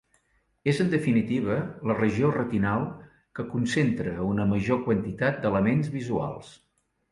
És, en definitiva, la regió retinal que concentra una major quantitat d'elements visuals.